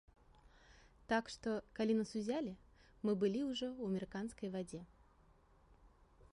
Так што, калі нас узялі, мы былі ўжо ў амерыканскай вадзе.